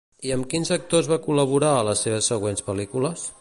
I amb quins actors va col·laborar a les seves següents pel·lícules?